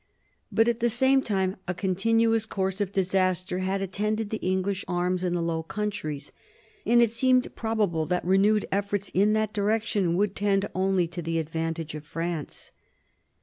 But at the same time a continuous course of disaster had attended the English arms in the Low Countries, and it seemed probable that renewed efforts in that direction would tend only to the advantage of France.